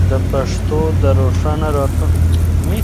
د پښتو د روښانه راتلونکي لپاره کار وکړئ.